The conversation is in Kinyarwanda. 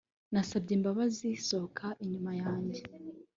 nasabye imbabazi, sohoka inyuma yanjye